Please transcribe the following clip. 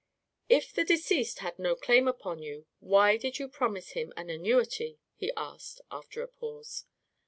"If the deceased had no claim upon you, why did you promise him an annuity?" he asked, after a pause.